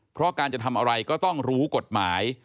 เพราะการจะทำอะไรก็ต้องรู้กฎหมาย